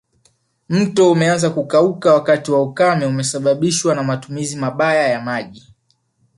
Mto umeanza kukauka wakati wa ukame umesababishwa na matumizi mabaya ya maji